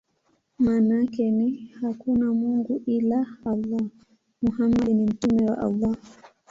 Maana yake ni: "Hakuna mungu ila Allah; Muhammad ni mtume wa Allah".